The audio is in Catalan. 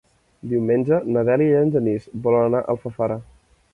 Diumenge na Dèlia i en Genís volen anar a Alfafara.